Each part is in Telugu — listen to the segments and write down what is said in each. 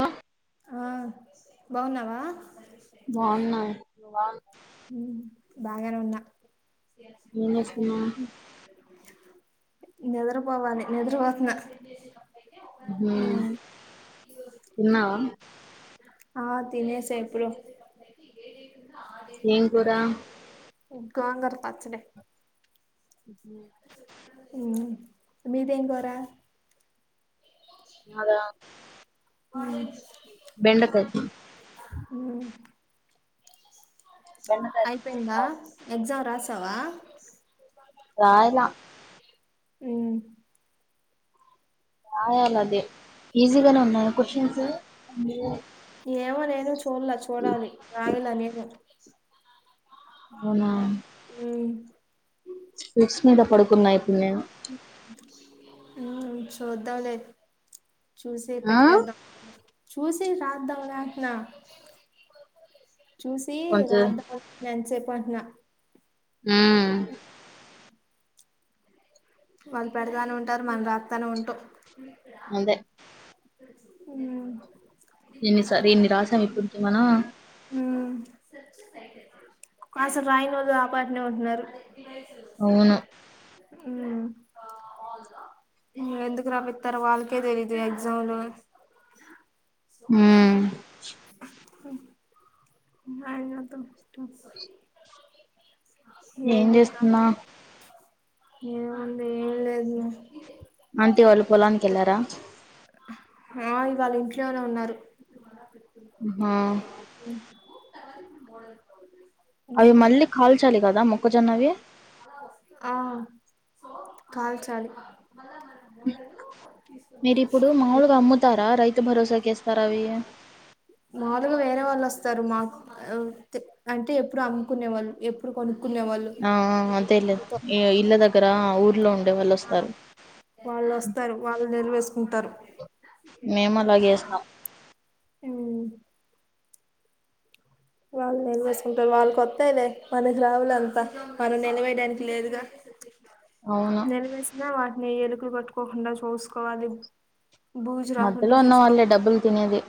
నో ఆ బాగున్నావా? బాగున్నా. ఉమ్, బాగానే ఉన్నా. ఏం చేస్తున్నావ్? నిద్రపోవాలి నిద్రపోతున్నా ఉమ్, తిన్నావా? ఆ తినేసా ఇప్పుడే ఏం కూర గోంగూర పచ్చడి [inaudible] మీది ఏం కూర? మాదా అవు [unintelligible] బెండకాయ అయిపోయిందా చేస్తావా? ఎగ్జామ్ రాసావా? రాయలా మ్ రాయాల అది ఈజీగానే ఉన్నాయా క్వశన్స్ ఏమో నేను చూడలే చూడాలి రాయిలా నేను అవునా మ్ స్వీట్స్ మీద పడుకున్నా ఇప్పుడు నేను చూద్దావులే చూసి ఆ పెట్టేద్దాం చూసి రాద్దాం అంటున్నా చూసి కొంచెం రాద్దామ్ ఎంతసేపు అంటున్నా మ్ వాళ్ళు పెడతానే ఉంటారు మనం రాత్తానే ఉంటాం అదే మ్ ఎన్ని రాసాము ఇప్పుడికి మనం అసలు రాయనోళ్ళు ఆపాటనే ఉంటున్నారు. అవును మ్ ఎందుకు రపిస్తారు వాళ్ళకే తెలీదు ఎగ్జామ్లు మ్ [inaudible] అనా [unintelligible] ఏం చేస్తున్నావ్ ఏముంది ఏం లేదులే అంటీ వాళ్ళు పొలానికి వెళ్లారా ఆ ఇవాళ ఇంట్లోనే ఉన్నారు ఆ మ అవి మళ్ళీ కాల్చాలి కదా మొక్కజొన్నవి ఆ కాల్చాలి మీరిప్పుడు మాములుగా అమ్ముతారా రైతు భరోసాకేస్తారా అవి మాలుగ వేరే వాళ్ళు వస్తారు మా అంటే ఎప్పుడు అమ్ముకునే వాళ్ళు ఎప్పుడు కొను ఆ అదేలే ఇల్ల దగ్గరా ఊర్లో ఉం ఆ వాళ్ళు వస్తారు వాళ్ళు నిలవేసుకుంటారు మేము అలాగే ఏస్తాం ఉమ్ వాళ్ళు నిలవేసుకుంటారు వాళ్ళు కొత్తాయిలే మన రావులే అంత మనం నిలవేయడానికి లేదుగా అవును నిలవేసినా వాటిని ఎలుకలు కొట్టకోకుండా చూసుకోవాలి బూజు రాకుండా మధ్యలో ఉన్న వాళ్లే డబ్బులు తినేది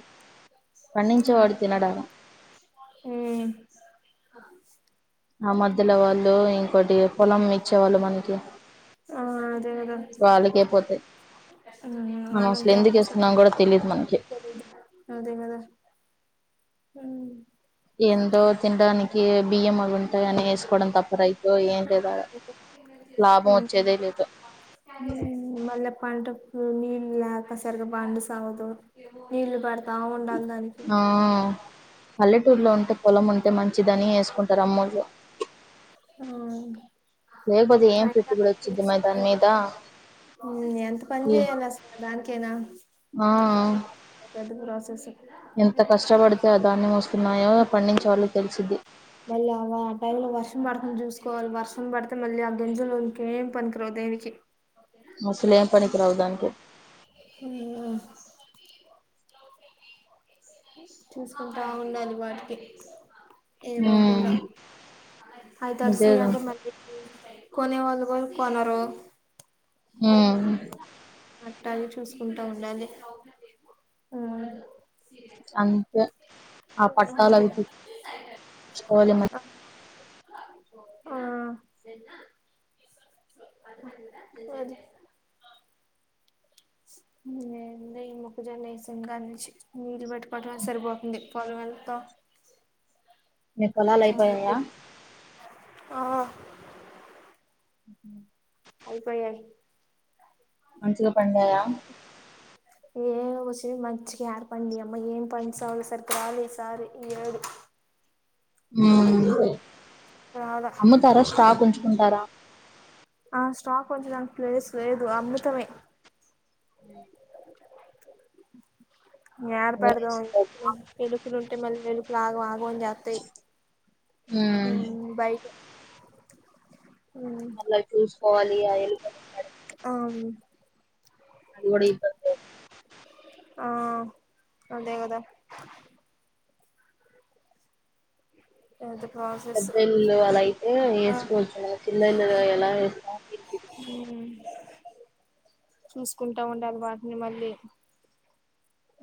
పండించేవాడు అది తినడా ఉమ్ ఆ మధ్యలో వాళ్ళు ఇంకోొటి పొలం ఇచ్చేవాళ్ళు మనకి ఆ అదే గద వాళ్ళకే పోతాయి ఉమ్ మనకు యాడిస్ మనం అసలు క్యా ఎందుకు ఏస్తున్నాం కూడా తెలియదు మనకి అదే కదా ఆ ఏంటో తినడానికి బియ్యం అవి ఉంటాయి అని వేసుకోవడం తప్ప రైత్ లో ఏం లేద లాభం ఉమ్. వచ్చేదే ఉమ్, లేదు పంట కు నీళ్ లేక సరిగా పండి సావదు నీళ్లు పడతా ఉండాల దాన్ ఆ పల్లెటూర్లో ఉంటే పొలం ఉంటే మన్ మంచిదని వేసుకుంటారు అమ్మోళ్ అ లేకపోతే ఏం పెట్టుబడి వచ్చింది మరి దాని మీద ఉమ్ ఎంత పని ఈ చేయాలి అసలు దానికైనా ఆ పెద్ద ప్రాసెస్ ఎంత కష్టపడితే ఆ ధాన్యం వస్తున్నాయో పండించేవాళ్ళకి తెలిసిద్ది మళ్ళీ అ ఆ టైం లో వర్షం పడుతుంది చూసుకోవాలి వర్షం పడితే మళ్ళీ ఆ గంజులోకేం పనికిరాదు దేనికి అసలు ఏం పనికి రావు దానికి ఉమ్ ఆ చూసుకుంటా ఉండాలి వాటికి ఉమ్ ఏమవకుండా అయితే అయి తడిసినాయంటే అంతేగా అంటే మళ్ళీ కొనే వాళ్ళు కూడా కొనరు ఉమ్ పట్టాలు చూసుకుంటా ఉండాలి ఆ అంతే ఆ పట్టాలవి కోవాలి మనమ్ ఆ అదే [unintelligible] ఎమ్లే ఈ మొక్కజొన్న వేసినకానుంచి నీళ్ళు పెట్టుకోవడమే సరిపోతుంది పనులంతొ [unintelligible] మీ పొలాలు అయిపోయాయా ఆ ఉ ఊ అయిపోయాయి మంచిగ పండాయా [unintelligible] ఏం వచ్చిన మంచిగా ఏర్పాండి ఈ అమ్మ ఏం పని సవా సరిగ రాలె ఈ సారి ఈ ఏడు ఎందుకు రాలా అమ్ముతారా స్టాక్ ఉంచుకుంటరా ఆ స్టక్ కుంచడానికి ప్లేస్ లేదు అమ్ముతమే ఊ యాడ పెడదాం ఎలుకులు ఉంటే మళ్ళ ఎలుకులు ఆగ మా బోన్ జాతయ్ ఉమ్ బైకు మళ్ళ అయి చూస్కోవాలి ఆ ఎలుకలు కడ్ ఆ అది కూడా ఈబ్ ఆ అదే కదా యదు పెద్ద ఇల్లులు అలా అయితే ఆ ఏసుకోవచ్చు చిల్ల ఇల్లు కదా ఎలా వేస్తాం ఊ చూస్కుంటా ఉండాలి వాటిని మళ్ళీ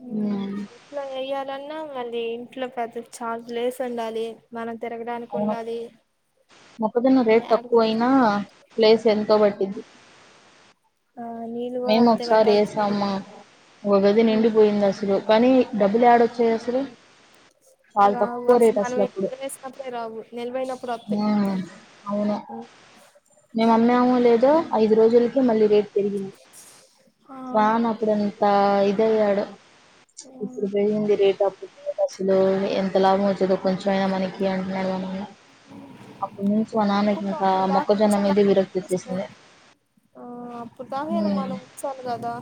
ఊ ఉమ్ ఇట్ల యెయర్ ఇట్లన్న మళ్ళీ ఇంట్లో పెద్ద చాల్ లేస్ ఉండాలి మనం తిరగడానికి అవును ఉండాలి మొక్కజొన్న రేట్ యాడికి తక్కువ అయినా ప్లేస్ ఎంతో బట్టిది ఆ నీళ్ళు కూడా మేము అంతే ఒకసారి పెట్టాల్సింది ఏసమ్మా ఒక గది నిండిపోయింది అసలు కనీ డబ్బుల్ యాడ్ వచ్చాయ్ అసలు [unintelligible] చాలా రావు తక్కువ అసలు రేట్ మనం అప్పుడు ఎక్కువ ఏసినప్పుడే రావు నిలవయినప్పుడు ఒతయ్ ఉమ్ అవును డో ఐదు రోజులకి మళ్ళీ రేట్ పెరిగింది ఆ వాన్ అప్పుడంతా ఇద్ దెయ్యాడు ఇప్పుడు పెరింది రేట్ అపుడు లేదు అసలు ఎంత లాభం వచ్చేదో కొంచెం అయినా మనకి అంటున్నాడుగా మనీ అప్పుడు నుంచి మా నాన్ననికి అనుకుంటా ఇంకా అప్పుడు మొక్ దాకా ఒక్కజన మీది వచ్చాలని విరక్తి అనిపించలే ఒచేసింది ఆ అప్పుడు దాకేన మనం ఉంచాలి కదా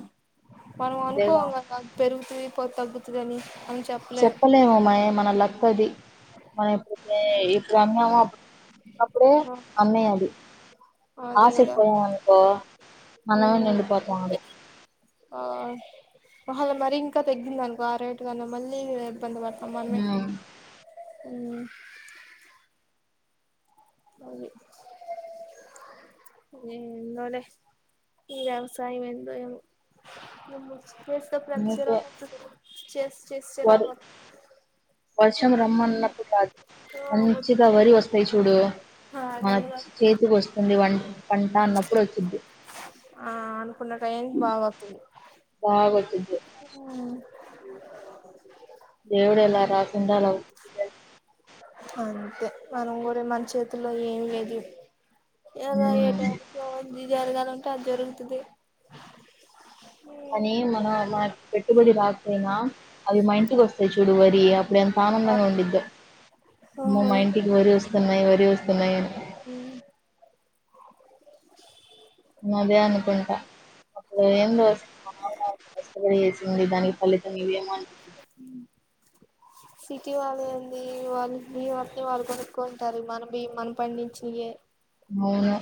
మనం అంతేగా అనుకోం కదా అది పె పెరుగుతది పొ తగ్గుతదని అంచ్ చెప్పలేమమ్మాయ్ మన లక్క అది మనం ఇప్పుడ్ కే ఇప్పుడు అన్నామో అప్పుడు అప్పుడే అమ్మేయ్ అది అదే ఆసిక్ కదా పోయామనుకో మన్నమే నిండి పోతాం ఓకే అది ఆ వహ అది మరి ఇంకా తగ్గిందనుకో ఆ రేటుగన్నా మళ్ళీ ఇబ్బంది పడతాం మనమే హ్మ్ ఊ అది నేన్ నిన్నోలే ఈ వ్యవసాయంం ఎందో ఏమో [unintelligible] చేస్ వరు వర్షం రమ్మన్నప్పుడు రాదు మంచిగ వరి వస్తాయి చూడు ఆ మన టైం లో చేతికి వస్తుంది వన్ వంట అన్నప్పుడు వచ్చింది. ఆ అనుకున్న టైన్ కి బా వస్తుంది బాగా వచ్చిద్ది. ఉహు దేవుడు ఎలా రాసుండు అలా అవుతుందె అంతే మనం కూడా మన చేతుల్లో ఏమి లెదు ఏదో ఏ హ్మ్ టైమ్ కి అది జరగాలంటే అది జరుగుతుంది. కానీ మనం నకి పెట్టుబడి రాకపోయినా అవి మా ఇంటికి వస్తాయి చూడు వరియ ఎంత ఆనందంగా ఆ ఉండిద్దో మొ ఆహా మా ఇంటికి వరి వస్తున్నాయి, వరి వస్తున్నాయి అని ఉహు అదే అనుకుంట అప్పుడు ఎందో వస కష్టపడి చేసింది దానికి ఫలితం ఇవే మన్ సిటీ వాళ్ళు ఏంది వాళ్ళు మీ వాటిని వాళ్ళు కొనుక్కోంటారు. మన బియ్యం మనం పండించినియ్యే అవునా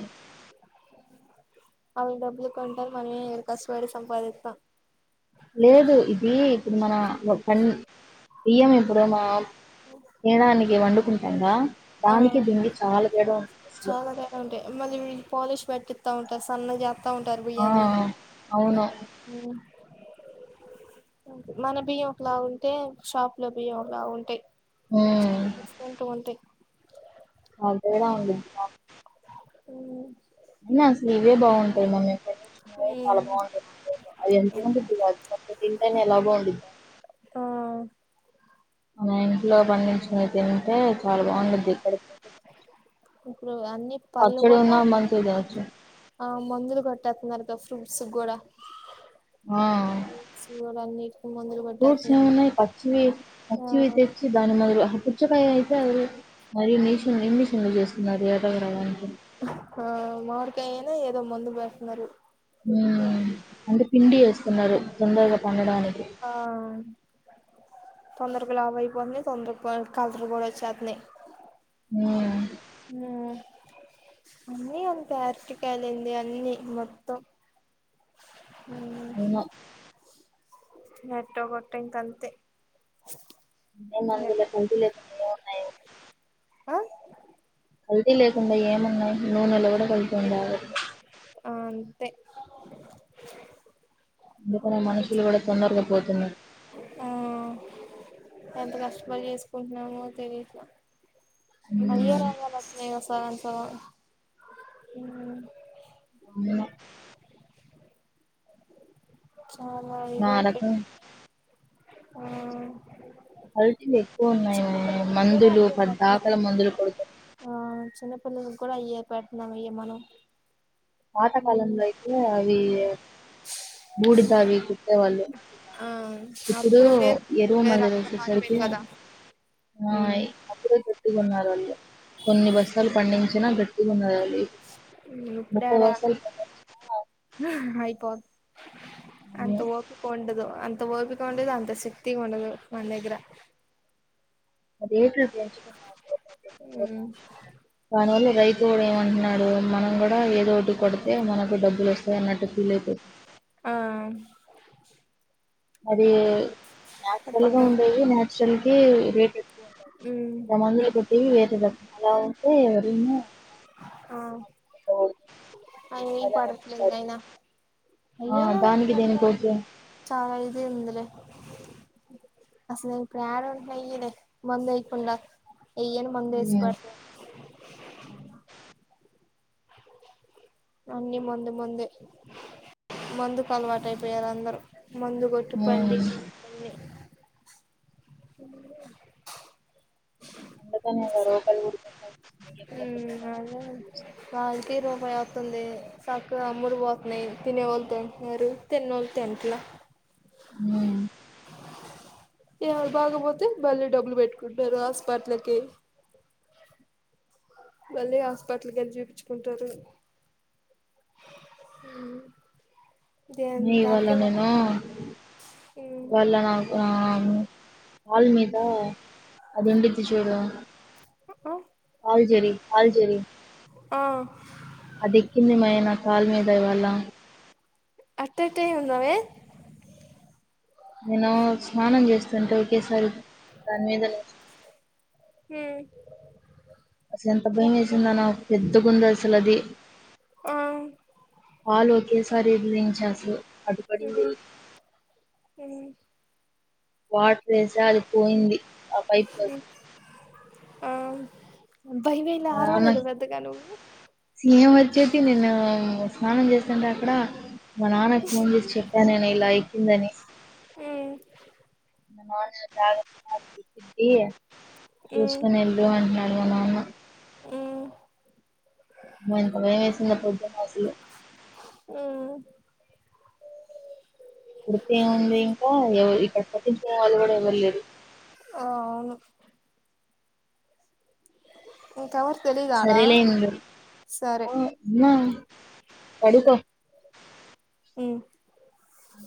వాళ్ళ డబ్బులు కొంటారు మళ్ళీరు కష్టపడి సంపాదిస్తా లేదు ఇది ఇప్పుడు మన ఒ పన్ బియ్యం ఇప్పుడు మా ఏ దానికి వండుకుంటాంద ఆ అసలు చాలానెగా ఉంటాయి మళ్ళీ మీ పాలిష్ పెట్టి స్తా ఉంటారు సన్నగ చేత్త ఉంటారు ఆ బియ్యాన్ని అవును మన బియ్యం ఒకలా ఉంటే షాప్ లో బియ్యం ఒకలా ఉంటాయి. ఉమ్ ఉంటు వంటయ్ అంతేగా ఉంది అ ఉహు ఇవే బాగుంటాయి మనం ఎక్కడ నుంచిన్నా చాలా బాగుంటాది ప అవి ఎంతే ఉంటుదు కాది కొత్త తింటనే ఎలా బాఉండిద్ద ఆ మన ఇంట్లో పండించినవి తింటే చాలా బాగుండది ఇక్కడి ఇప్పుడు అన్ని పళ్ళు కూడా మంచిగా తినొచ్చు ఆ మందులు కొట్టేత్తన్నారుగా స్ ఫ్రూట్స్ గూడా ఆ మందులు ఫ్రూట్స్ కొట్టేస్తున్నారు ఏమున్నాయి పచ్చి ఆ పచ్చివి తెచ్చి దాని మొదలు పుచ్చకాయ అయితే అది మరి ఇంజిషన్ ఇండిషన్లు చేస్తున్నారు ఎర్రగా రావడానికి ఆ మవిడికాయ అయినా ఏదో ముందు పెడతున్నారు. మ్ అంటే పిండి వేస్తున్నారు తొందరగా పండడానికి ఆ తొందరకు లావ్ అయిపోతుంది, తొందర కలర్ కూడా వచ్చేతున్నాయి. ఆ అన్నీ అంత ఆరటికాయాలంది అన్ని మొత్తం ఉ అవునా నెట్ కొట్టే ఇంకంతే నేను మందులకు కొ లేకుండా ఉన్నాయి ఆ కల్తీ లేకుండా ఏమున్నాయి నూనెలు ఏమో ఆ అంతే అందుకనే మనుషులు కూడా తొందరగా పోతున్నారు. ఆ ఎంత కష్టపడి చేసుకుంటున్నామో తెలిఫ అయ్యో ఉమ్ రాంగ్ అని వస్తున్నాయి సాంగ్స్ ఉన్నా అవున ఇది ఆ ఎటి రకం ఆ కల్తీలు ఎక్కువ ఉన్నాయ మందులు పొద్దాక మందులు కొడుతు ఆ చిన్నపిల్లలకి కూడా అయ్యే పెట్టినం ఆ చిన్నపిల్లలకి కూడా ఇయ్య పట్టన ఇయ్య మను పాతకాలంలో అయితే అవి మూడు తావి కు ఇత్తే వాళ్ళు ఆ ఇప్పుడు అప్పుడు వేరు ఇప్పుడు ఎరువు వేరు మందులు అంతా వేసేసరికి మారిపోయింది కదా ఉమ్ అయ్ అప్పుడే గట్టిగా ఉన్నారు వాళ్ళు కొన్ని బస్తాలు పండించినా గట్టిగా ఉన్నారు వాళ్ళు ఇప్పుడేడ బస్తాలు పండించినా అయిపో అంత ఓపిక ఉండదు అంత ఓపిక ఉండదు అంత శక్తి ఉండదు మన దగ్గర ఉమ్ దాని వల్ల రైతు కూడ [unintelligible] మనం కూడా ఏదో ఒకటి కొడితే మనకు డబ్బులు వస్తాయి అన్నట్టు ఫీల్ అయిపోతుంది ఆ మరి న్యాచురల్ గా పాట ఉండేది నాచురల్ కి రేట్ ఎక్కువ ఉంటాయి ఉమ్ ఇలా మందులు కొట్టి రేట్లు అలా ఉంటే ఎవరైనా చున్నక్ కొట్టవోయ్ అవును పడట్లేదు నాయన ఆ దానికి దీనికి ఓకే చాలా ఇది ఉంది లే అసలు ప్రాణం పోయేన మందు ఏయకుండా వేయ్యన్ మందు ఉమ్. వేశ్పర్ అన్ని మందు మందే మందుకు అలవాటు అయిపోయారు అందరు ముందుగొట్టి ఉమ్. పండితే అన్ని [inaudible] కళ్ళు కూడతాయి మ్మ్ అదే చూస్తాం. వాళ్ళకి రొగాల్ తుంది సక్కగా అమ్ముడు పోతున్నాయి తినే వాళ్ళు తింటున్నారు తిన్నొళ్ళు తినట్లా ఉనా ఏమన్నా బాగకపోతే మళ్ళీ డబ్బులు పెట్టుకుంటారు హాస్పిటల్ కి మళ్ళీ హాస్పిటల్ కి వెళ్ళి చూపించుకుంటారు అవును నీ వాళ్ళనేమో ఉమ్ ఇవాళా నాకు ఆ దిండు ఎత్తి చూడు ఆల్ జరి ఆల్ జరి ఆ అది ఎక్కింది మే నా కాల్ మీద ఇవాళ అట్ట ఎట్టా నే ఉన్నావే [unintelligible] ఓకేసారి దాని మీద ఉమ్ అసలు ఎంత భయం వేసిందో నాకు పెద్ద గుంది అసలు అది ఆ కాలు ఒకేసారి విదిలించా అసలు అటు పడింది మ్మ్ వాటర్ ఏసా అది పోయింది ఆ పైప్ లోకి ఆ భయమేలా వాన అరవలేదా పెద్దగా నువ్వు సింగం వచ్చేటి [unintelligible] స్నానం చేస్తుంటే అక్కడ మా నాన్నకి ఫోన్ చేసి చెప్పా నేను ఇలా ఎక్కిందని మ్మ్ మా నాన్న [unintelligible] మ్మ్ చూసుకొని వెళ్ళు అన్నాడు మా నాన్న ఏ అస్సలు ఉమ్ పుడితేముంది ఇంకా ఎవ ఇక్కడ పట్టించ వాలు కూడా ఎవ్వరు లేదు ఆ ఇంకా మరి సరలే అండి ఉన్నా పడుకో మ్మ్ ఉ